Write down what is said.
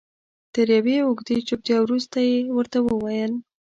تر یوې اوږدې چوپتیا وروسته یې ورته وویل.